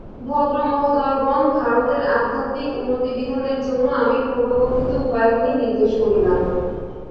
ভদ্রমহোদয়গণ, ভারতের আধ্যাত্মিক উন্নতিবিধানের জন্য আমি পূর্বকথিত উপায়গুলি নির্দেশ করিলাম।